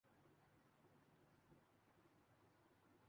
Europa football league Arsenal اور Atletico Madrid کے درمیان میچ برابر